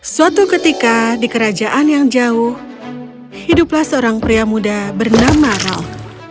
suatu ketika di kerajaan yang jauh hiduplah seorang pria muda bernama ral